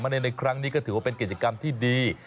ในครั้งนี้ก็ถือว่าเป็นกิจกรรมที่ดี